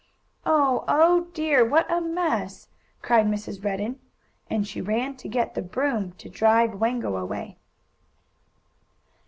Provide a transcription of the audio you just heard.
"Oh! oh, dear! what a mess!" cried Mrs. Redden, and she ran to get the broom to drive Wango away.